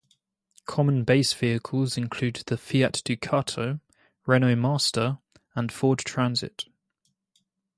Common base vehicles include the Fiat Ducato, Renault Master, and Ford Transit.